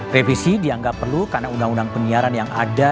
revisi dianggap perlu karena undang undang penyiaran yang ada